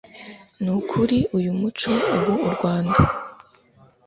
ni ukuri uyu muco ubu u rwanda